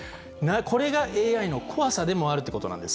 これがＡＩの怖さでもあるっていうことなんです。